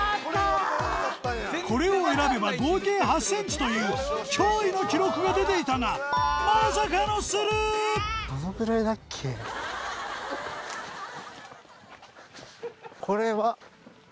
これを選べば合計８ｃｍという驚異の記録が出ていたがこれは。